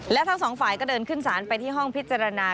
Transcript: และทั้งสองฝ่ายก็เดินขึ้นศาลไปที่ห้องพิจารณา